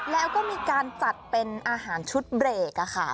แล้วก็มีการจัดเป็นอาหารชุดเบรกค่ะ